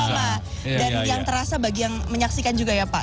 dan yang terasa bagi yang menyaksikan juga ya pak